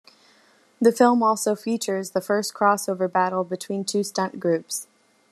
The film also features the first cross over battle between two stunt groups.